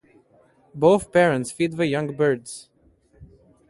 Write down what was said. Both parents feed the young birds.